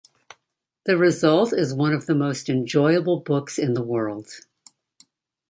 The result is one of the most enjoyable books in the world.